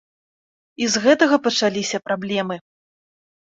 І з гэтага пачаліся праблемы.